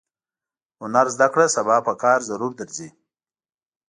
هنر زده کړه سبا پکار ضرور درځي.